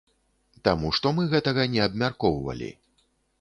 Таму што мы гэтага не абмяркоўвалі.